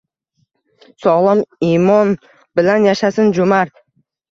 Sog’lom imon bilan yashasin jo’mard